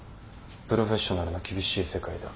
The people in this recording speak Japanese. プロフェッショナルの厳しい世界だ。